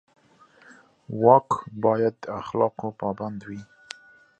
واک باید د اخلاقو پابند وي.